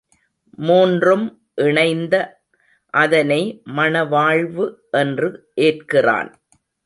மூன்றும் இணைந்த அதனை மணவாழ்வு என்று ஏற்கிறான்.